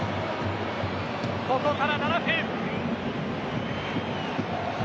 ここから７分。